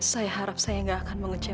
saya harap saya gak akan menghukummu